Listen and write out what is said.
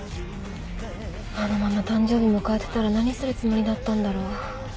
あのまま誕生日迎えてたら何するつもりだったんだろう。